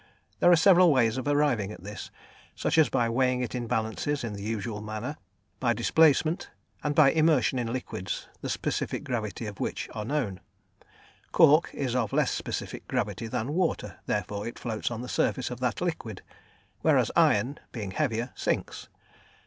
There are several ways of arriving at this, such as by weighing in balances in the usual manner, by displacement, and by immersion in liquids the specific gravity of which are known. Cork is of less specific gravity than water, therefore it floats on the surface of that liquid, whereas iron, being heavier, sinks.